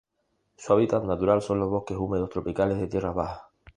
Su habitat natural son los bosques húmedos tropicales de tierras bajas.